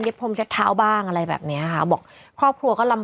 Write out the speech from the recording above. พรมเช็ดเท้าบ้างอะไรแบบเนี้ยค่ะบอกครอบครัวก็ลำ